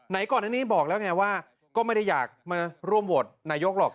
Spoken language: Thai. ก่อนอันนี้บอกแล้วไงว่าก็ไม่ได้อยากมาร่วมโหวตนายกหรอก